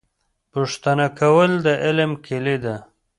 پوښتنه کول د علم کیلي ده.